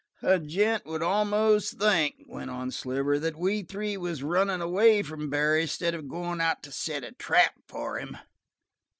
"A gent would almost think," went on Sliver, "that we three was runnin' away from Barry, instead of goin' out to set a trap for him."